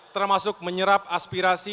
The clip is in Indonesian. termasuk menyerap aspirasi